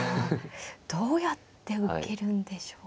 どうやって受けるんでしょうか。